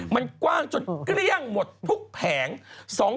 มันกว้างจนเกลี้ยงหมดทุกแผง